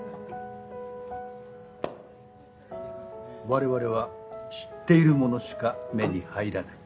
われわれは知っているものしか目に入らない。